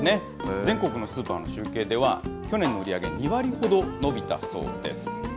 全国のスーパーの集計では、去年の売り上げ、２割ほど伸びたそうです。